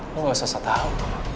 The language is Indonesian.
lo gak usah setau